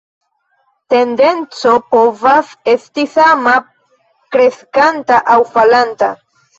Tendenco povas esti sama, kreskanta aŭ falanta.